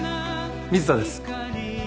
水田です。